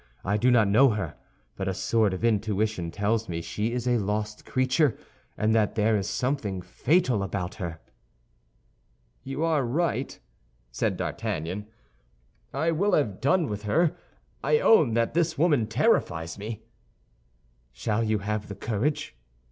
I do not know her, but a sort of intuition tells me she is a lost creature, and that there is something fatal about her." "You are right," said D'Artagnan; "I will have done with her. I own that this woman terrifies me." "Shall you have the courage?"